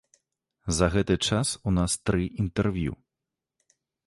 За гэты час у нас тры інтэрв'ю.